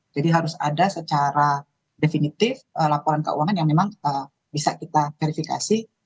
jadi harus ada secara definitif laporan keuangan yang memang bisa kita verifikasi